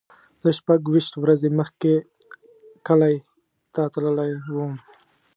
زه شپږ ویشت ورځې مخکې کلی ته تللی وم.